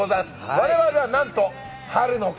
我々はなんと春の会。